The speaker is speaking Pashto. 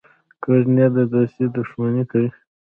کوږ نیت د دوستۍ دښمني کوي